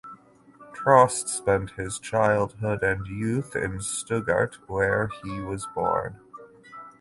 Trost spent his childhood and youth in Stuttgart where he was born.